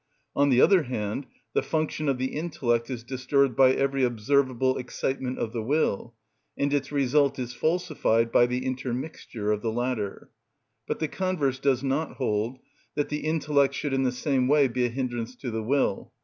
On the other hand, the function of the intellect is disturbed by every observable excitement of the will, and its result is falsified by the intermixture of the latter; but the converse does not hold, that the intellect should in the same way be a hindrance to the will.